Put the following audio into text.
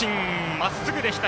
まっすぐでした。